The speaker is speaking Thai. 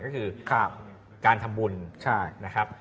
ก็คือการทำบุญนะครับ